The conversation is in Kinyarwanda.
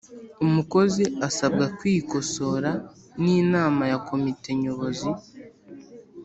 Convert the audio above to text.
Umukozi asabwa kwikosora n’inama ya komite nyobozi